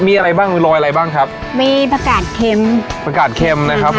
มีอะไรบ้างมีรอยอะไรบ้างครับมีประกาศเค็มประกาศเค็มนะครับ